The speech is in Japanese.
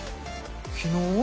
昨日？